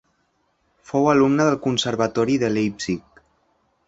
Fou alumne del Conservatori de Leipzig.